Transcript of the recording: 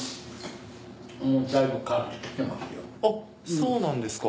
そうなんですか。